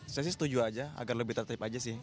saya sih setuju aja agar lebih tertib aja sih